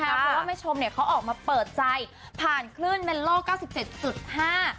เพราะว่าแม่ชมเนี่ยเขาออกมาเปิดใจผ่านคลื่นเมนโลเก้าสิบเจ็ดจุดห้า